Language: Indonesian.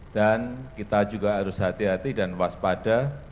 dan kita juga harus hati hati dan waspada